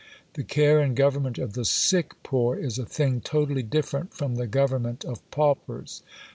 The care and government of the sick poor is a thing totally different from the government of paupers.